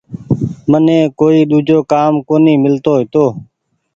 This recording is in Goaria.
مني ڪوئي ۮوجو ڪآم ڪونيٚ ميلتو هيتو۔